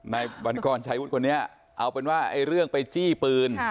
ในวันกรชายวุฒิคนนี้เอาเป็นว่าเรื่องไปจี้ปืน